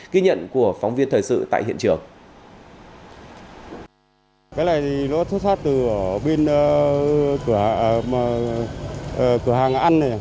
ghi nhận của phóng viên thời sự tại hiện trường